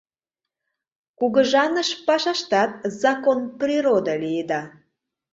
Кугыжаныш пашаштат закон-природа лиеда.